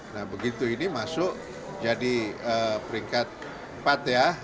nah begitu ini masuk jadi peringkat empat ya